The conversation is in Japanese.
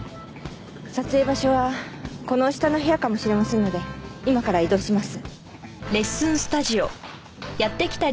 撮影場所はこの下の部屋かもしれませんので今から移動します。